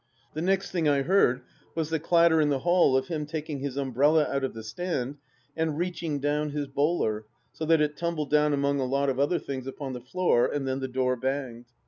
The next thing I heard was the clatter in the hall of him taking his umbrella out of the stand and reaching down his bowler so that it tumbled down among a lot of other things upon the floor, and then the door banged.